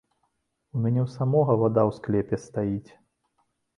У мяне ў самога вада ў склепе стаіць.